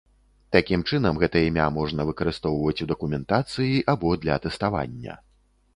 Такім чынам гэта імя можна выкарыстоўваць у дакументацыі або для тэставання.